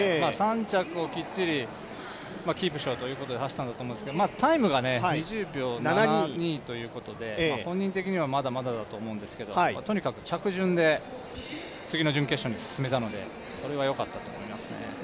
３着をきっちりキープしようということで走ったと思うんですが、タイムが２０秒７２ということで本人的にはまだまだだと思うんですけどとにかく着順で次の準決勝に進めたので、それがよかったと思いますね。